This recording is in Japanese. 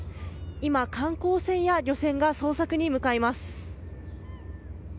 今、観光船や漁船が捜索に向かいます。